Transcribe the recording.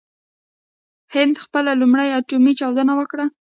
هند خپله لومړۍ اټومي چاودنه وکړه.